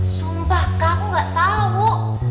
sumpah kak aku gak tau